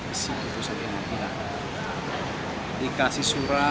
pemimpin fahri adalah pemimpin fahri dari partai keadilan sejahtera